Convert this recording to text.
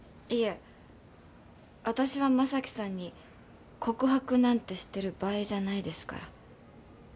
いえ私は将貴さんに告白なんてしてる場合じゃないですから。